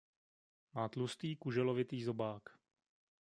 Má tlustý kuželovitý zobák.